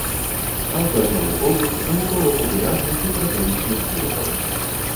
Аўтар навуковых, навукова-папулярных і празаічных твораў.